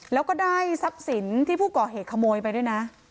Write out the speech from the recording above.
แล้วก็ได้ทรัพย์สินที่ผู้ก่อเหตุขโมยไปด้วยนะ